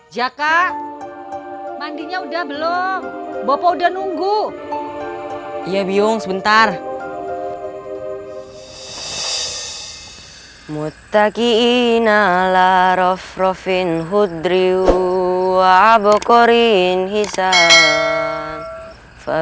jaka mandinya udah belum bopo udah nunggu